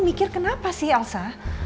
mikir kenapa sih elsa